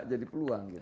jadi peluang gitu